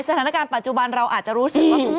สถานการณ์ปัจจุบันเราอาจจะรู้สึกว่า